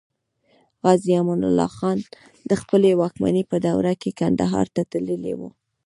غازي امان الله خان د خپلې واکمنۍ په دوره کې کندهار ته تللی و.